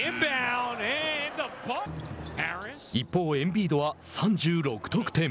一方、エンビードは３６得点。